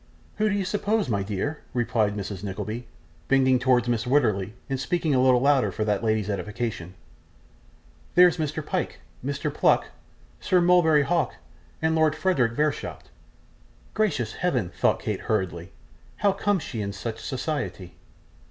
'Who do you suppose, my dear?' replied Mrs. Nickleby, bending towards Mrs Wititterly, and speaking a little louder for that lady's edification. 'There's Mr. Pyke, Mr. Pluck, Sir Mulberry Hawk, and Lord Frederick Verisopht.' 'Gracious Heaven!' thought Kate hurriedly. 'How comes she in such society?